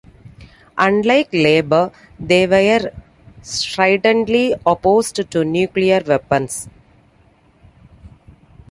Unlike Labour they were stridently opposed to nuclear weapons.